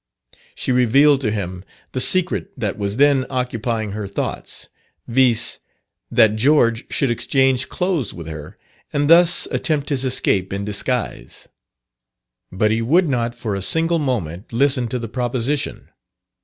She revealed to him the secret that was then occupying her thoughts, viz., that George should exchange clothes with her, and thus attempt his escape in disguise. But he would not for a single moment listen to the proposition.